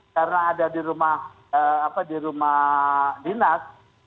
karena ada di rumah dinas